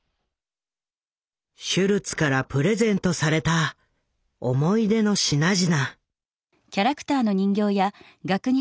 シュルツからプレゼントされた思い出の品々。